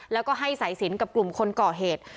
แล้วก็ให้สายสินกับกลุ่มคนก่อเหตุ